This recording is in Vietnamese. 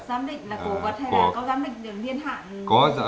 giám định là cổ vật hay là có giám định được niên hạn